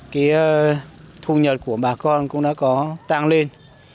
cái thu nhật của bà con cũng đã có tăng lên